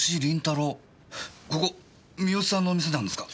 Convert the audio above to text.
ここ三好さんのお店なんですか？